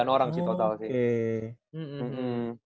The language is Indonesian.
delapan orang sih total sih